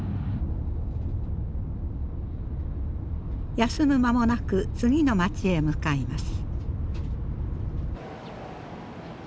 休む間もなく次の町へ向かいます。